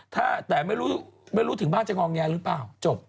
แต่ไม่รู้ไม่รู้ถึงบ้านจะงองแงหรือเปล่าจบ